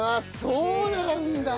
そうなんだ！